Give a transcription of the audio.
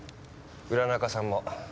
浦中さんも。